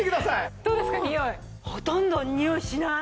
ほとんどにおいしない。